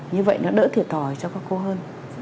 như vậy nó đỡ thiệt thòi cho các cô hơn